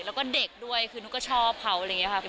แล้วก็เด็กด้วยคือหนูก็ชอบเขาอะไรอย่างนี้ค่ะพี่